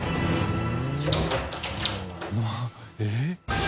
えっ？